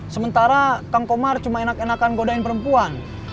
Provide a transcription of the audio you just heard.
sementara kang komar cuma enak enakan godain perempuan